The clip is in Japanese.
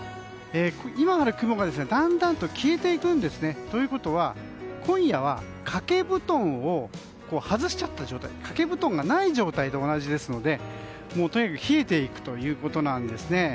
今ある雲がだんだんと消えていくんですね。ということは、今夜は掛け布団を外しちゃった状態掛け布団がない状態と同じですのでとにかく冷えていくということなんです。